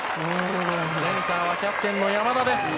センターはキャプテンの山田です。